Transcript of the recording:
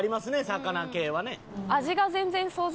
魚系はね。